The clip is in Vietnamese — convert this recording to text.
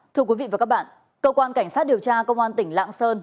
thưa quý vị và các bạn cơ quan cảnh sát điều tra công an tỉnh lạng sơn